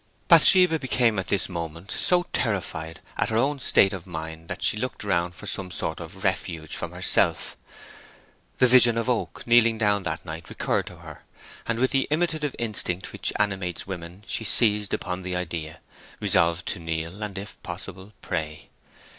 Bathsheba became at this moment so terrified at her own state of mind that she looked around for some sort of refuge from herself. The vision of Oak kneeling down that night recurred to her, and with the imitative instinct which animates women she seized upon the idea, resolved to kneel, and, if possible, pray.